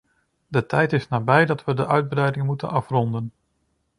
De tijd is nabij dat we de uitbreiding moeten afronden.